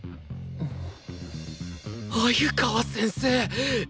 鮎川先生！